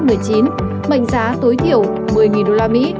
mệnh giá tối thiểu một mươi usd